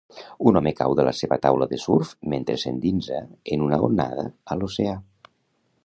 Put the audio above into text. Un home cau de la seva taula de surf mentre s'endinsa en una onada a l'oceà.